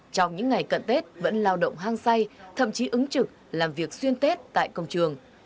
trong những ngày cận tết vẫn lao động hang say thậm chí ứng trực làm việc xuyên tết tại công trường